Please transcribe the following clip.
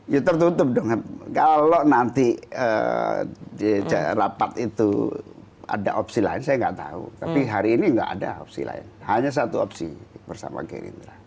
ya tertutup dong kalau nanti rapat itu ada opsi lain saya nggak tahu tapi hari ini nggak ada opsi lain hanya satu opsi bersama gerindra